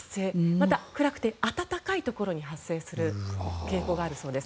また暗くて暖かいところに発生する傾向があるそうです。